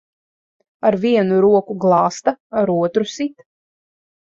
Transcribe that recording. Ar vienu roku glāsta, ar otru sit.